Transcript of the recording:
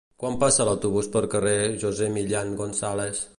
Quan passa l'autobús pel carrer José Millán González?